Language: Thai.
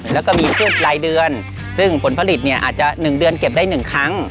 แล้วก็มีรูปรายเดือนซึ่งผลผลิตเนี่ยอาจจะ๑เดือนเก็บได้๑ครั้ง